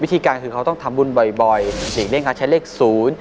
วิธีการคือเขาต้องทำบุญบ่อยหลีกเลี่ยงการใช้เลขศูนย์